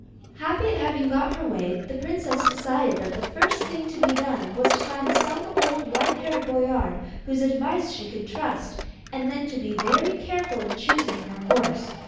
Happy at having got her way, the princess decided that the first thing to be done was to find some old white haired boyard, whose advice she could trust, and then to be very careful in choosing her horse.